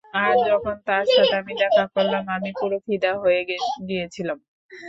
আর যখন তার সাথে আমি দেখা করলাম আমি পুরো ফিদা হয়ে গিয়েছিলাম।